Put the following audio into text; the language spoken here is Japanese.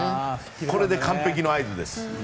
これで完璧の合図です。